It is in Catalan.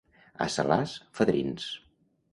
A Salàs, fadrins.